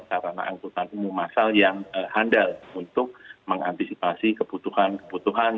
karena angkutan umum asal yang handal untuk mengantisipasi kebutuhan kebutuhan